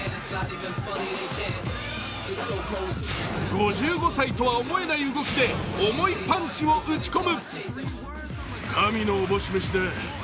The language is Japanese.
５５歳とは思えない動きで重いパンチを打ち込む。